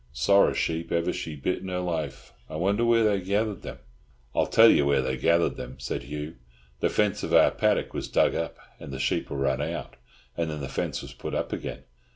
Sorra sheep ever she bit in her life. I wonder where they gethered them?" "I'll tell you where they gathered them," said Hugh. "The fence of our paddock was dug up, and the sheep were run out, and then the fence was put up again.